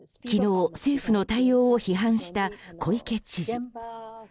昨日、政府の対応を批判した小池知事。